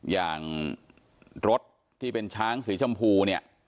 อย่างรถที่เป็นช้างสีชมพูเนี่ย